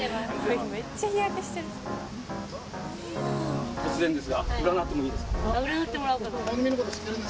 めっちゃ日焼けしてる。あります。